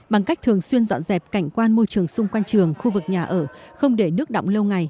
bằng cách thường xuyên dọn dẹp cảnh quan môi trường xung quanh trường khu vực nhà ở không để nước đọng lâu ngày